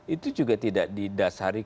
itu juga tidak didasari